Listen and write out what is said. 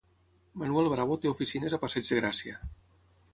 Manuel Bravo té oficines a Passeig de Gràcia